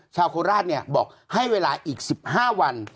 ชาวโคราชเนี่ยบอกให้เวลาอีก๑๕วัน